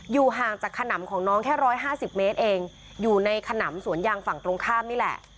ห่างจากขนำของน้องแค่๑๕๐เมตรเองอยู่ในขนำสวนยางฝั่งตรงข้ามนี่แหละ